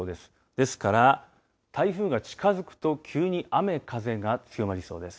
ですから、台風が近づくと急に雨、風が強まりそうです。